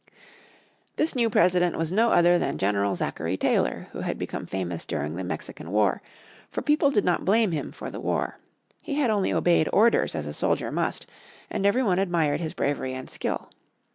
This new President was no other than General Zachary Taylor, who had become famous during the Mexican war, for people did not blame him for the war. He had only obeyed orders as a soldier must and every one admired his bravery and skill.